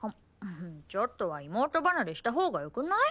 ちょっとは妹離れしたほうがよくない？